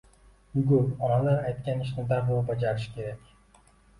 Yugur, onalar aytgan ishni darrov bajarish kerak.